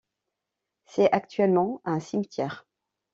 C'est actuellement un cimetière.